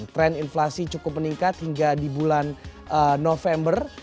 tren inflasi cukup meningkat hingga di bulan november